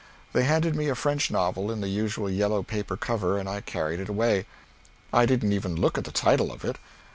They handed me a French novel, in the usual yellow paper cover, and I carried it away. I didn't even look at the title of it.